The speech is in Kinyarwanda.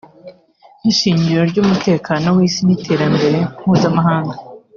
nk’ishingiro ry’umutekano w’isi n’iterambere mpuzamahanga